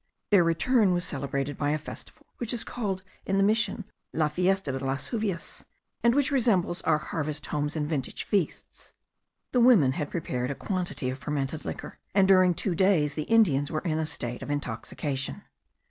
Their return was celebrated by a festival, which is called in the mission la fiesta de las juvias, and which resembles our harvest homes and vintage feasts. The women had prepared a quantity of fermented liquor; and during two days the Indians were in a state of intoxication.